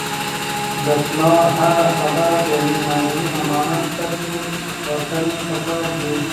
د پلار هره خبره د یو معنوي امانت په څېر ساتل پکار دي.